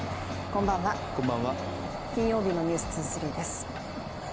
こんばんは、金曜日の「ｎｅｗｓ２３」です。